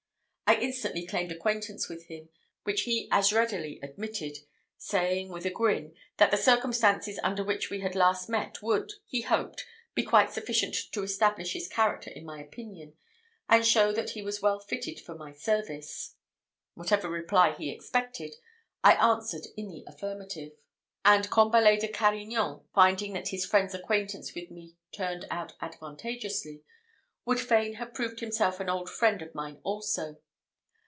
I instantly claimed acquaintance with him, which he as readily admitted; saying, with a grin, that the circumstances under which we had last met would, he hoped, be quite sufficient to establish his character in my opinion, and show that he was well fitted for my service. Whatever reply he expected, I answered in the affirmative; and Combalet de Carignan, finding that his friend's acquaintance with me turned out advantageously, would fain have proved himself an old friend of mine also.